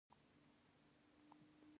د ګازرې او مڼې جوس ګډول کیږي.